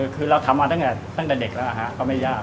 คือเราทำมาตั้งแต่เด็กแล้วก็ไม่ยาก